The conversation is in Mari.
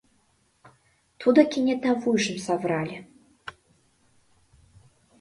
Тудо кенета вуйжым савырале...